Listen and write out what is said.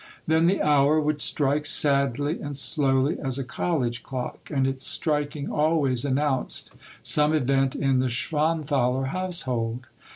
Then the hour would strike sadly and slowly as a college clock, and its striking always announced some event in the Schwanthaler household.